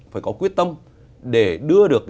phải có quyết tâm để đưa được